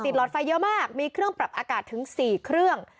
หลอดไฟเยอะมากมีเครื่องปรับอากาศถึง๔เครื่อง